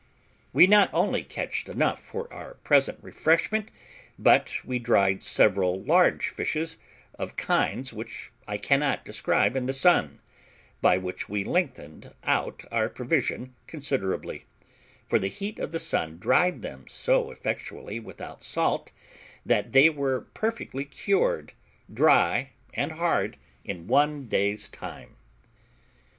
We not only catched enough for our present refreshment, but we dried several large fishes, of kinds which I cannot describe, in the sun, by which we lengthened out our provision considerably; for the heat of the sun dried them so effectually without salt that they were perfectly cured, dry, and hard, in one day's time.